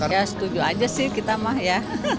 ya setuju aja sih kita mah ya